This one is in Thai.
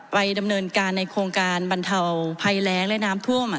ไปดำเนินการในโครงการบรรเทาภัยแรงและน้ำท่วม